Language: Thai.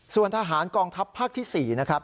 ส่วนทหารกองทัพภาคที่๔นะครับ